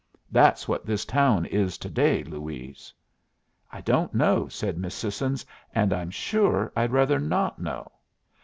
That's what this town is to day, Louise." "I don't know," said Miss Sissons, "and I'm sure I'd rather not know."